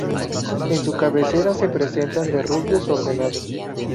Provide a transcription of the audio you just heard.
En su cabecera se presentan derrubios ordenados.